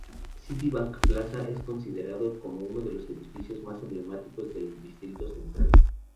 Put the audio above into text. Citibank Plaza es considerado como uno de los edificios más emblemáticos del distrito Central.